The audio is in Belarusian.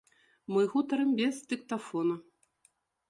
Мы гутарым без дыктафона.